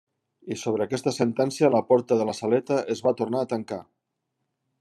I sobre aquesta sentència la porta de la saleta es va tomar a tancar.